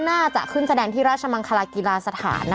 น่าจะขึ้นแสดงที่ราชมังคลากีฬาสถาน